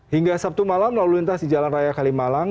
hingga sabtu malam lalu lintas di jalan raya kalimalang